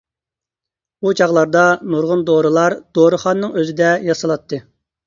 ئۇ چاغلاردا نۇرغۇن دورىلار دورىخانىنىڭ ئۆزىدە ياسىلاتتى.